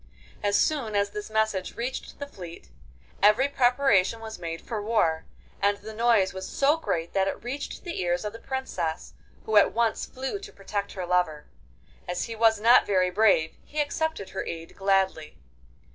As soon as this message reached the fleet, every preparation was made for war, and the noise was so great that it reached the ears of the Princess, who at once flew to protect her lover. As he was not very brave he accepted her aid gladly.